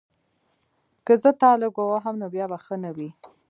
که زه تا لږ ووهم نو بیا به ښه نه وي